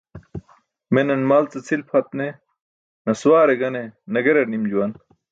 Menan mal ce cʰil pʰat ne nasawaare gane nagerar nim juwan.